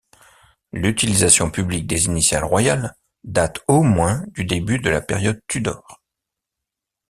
L'utilisation publique des initiales royales date au moins du début de la période Tudor.